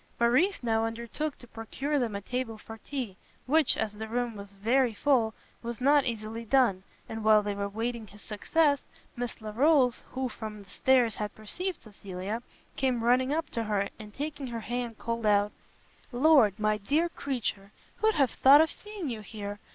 Morrice now undertook to procure them a table for tea, which, as the room was very full, was not easily done; and while they were waiting his success, Miss Larolles, who from the stairs had perceived Cecilia, came running up to her, and taking her hand, called out "Lord, my dear creature, who'd have thought of seeing you here?